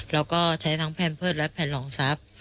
แล้วก็ใช้ทั้งแพลมเพิร์ตและแผ่นหล่องซับ